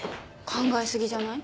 考え過ぎじゃない？